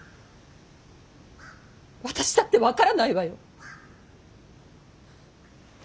私だって分からないわよ。